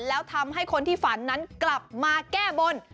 แล้วทำให้คนที่ฝันนั้นกลับมาแก้บน